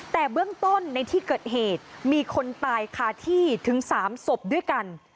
แต่เบื้องต้นในที่เกิดเหตุมีคนตายคาที่ถึง๓ศพด้วยกัน